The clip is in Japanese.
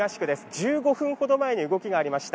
１５分ほど前に動きがありました。